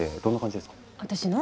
私の？